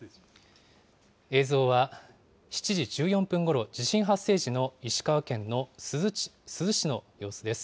映像は７時１４分ごろ、地震発生時の石川県の珠洲市の様子です。